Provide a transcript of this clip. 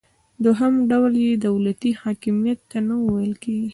دوهم ډول یې دولتي حاکمیت ته ویل کیږي.